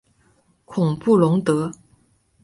孔布龙德。